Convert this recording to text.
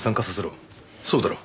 そうだろ？